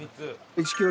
１キロ！